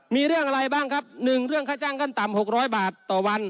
มีเรื่องอะไรบ้างครับ๑เรื่องค่าจ้างขั้นต่ำ๖๐๐บาทต่อวัน